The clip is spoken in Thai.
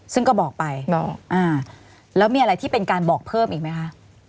ซึ่งก็บอกไปแล้วมีอะไรที่เป็นการบอกเพิ่มอีกไหมคะ